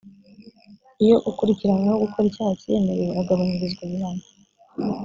iyo ukurikiranyweho gukora icyaha acyiyemereye agabanyirizwa ibihano